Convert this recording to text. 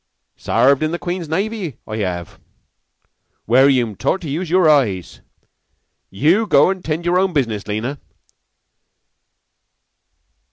Sarved in the Queen's Navy, I have, where yeou'm taught to use your eyes. Yeou go 'tend your own business, Lena."